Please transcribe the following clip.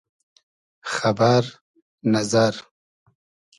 خئبئر نئزئر